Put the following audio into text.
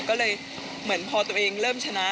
ก็เลยเหมือนพอตัวเองเริ่มชนะ